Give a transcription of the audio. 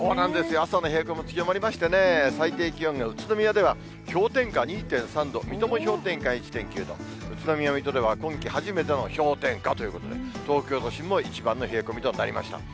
朝の冷え込み強まりましてね、最低気温が宇都宮では氷点下２．３度、水戸も氷点下１．９度、宇都宮、水戸では今季初めての氷点下ということで、東京都心も一番の冷え込みとなりました。